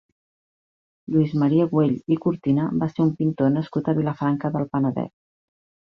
Lluís Maria Güell i Cortina va ser un pintor nascut a Vilafranca del Penedès.